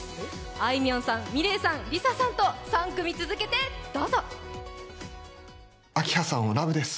あいみょんさん、ＬｉＳＡさん、ｍｉｌｅｔさんと３曲続けてどうぞ。